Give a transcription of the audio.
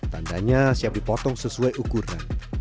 tandanya siap dipotong sesuai ukuran